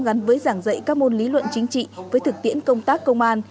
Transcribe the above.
gắn với giảng dạy các môn lý luận chính trị với thực tiễn công tác công an